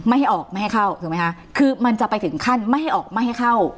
ไม่ให้ออกไม่ให้เข้าถูกไหมคะคือมันจะไปถึงขั้นไม่ให้ออกไม่ให้เข้า